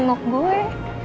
ngapain jenguk gue